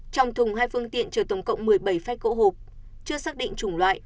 trong thùng hai phương tiện chở tổng cộng một mươi bảy phách gỗ hộp chưa xác định chủng loại